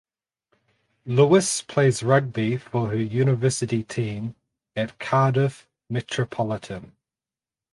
Lewis plays rugby for her university team at Cardiff Metropolitan.